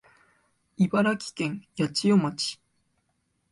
茨城県八千代町